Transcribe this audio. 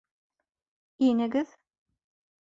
Инегеҙ!